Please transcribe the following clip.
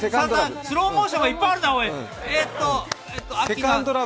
「スローモーション」がいっぱいあるな。